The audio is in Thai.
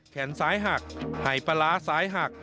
แขนซ้ายหักหายปลาร้าซ้ายหัก